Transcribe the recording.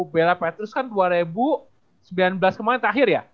bella petrus kan dua ribu sembilan belas kemarin terakhir ya